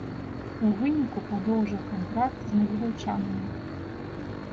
У выніку падоўжыў кантракт з магіляўчанамі.